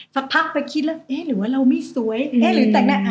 สักพักไปคิดแล้วเอ๊ะหรือว่าเราไม่สวยเอ๊ะหรือแต่งหน้า